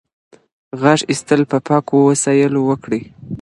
غاښ ایستل په پاکو وسایلو وکړئ.